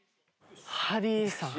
「ハリーさん」。